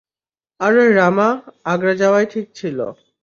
আরে রামা, আগ্রা যাওয়াই ঠিক ছিল।